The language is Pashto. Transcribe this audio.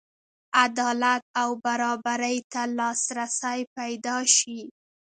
عدالت او برابرۍ ته لاسرسی پیدا شي.